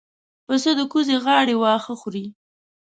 پسه د کوزې غاړې واښه خوري.